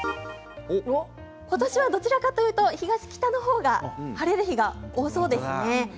今年はどちらかというと東、北の方が晴れる日が多そうですね。